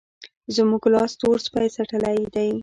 زموږ لاس تور سپی څټلی دی.